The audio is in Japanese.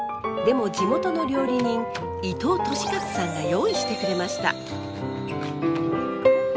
でも地元の料理人伊藤敏勝さんが用意してくれました。